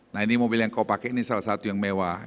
nah ini mobil yang kau pakai ini salah satu yang mewah